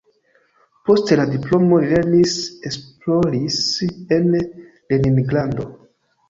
Post la diplomo li lernis-esploris en Leningrado.